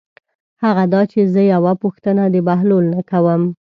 هغه دا چې زه یوه پوښتنه د بهلول نه کوم.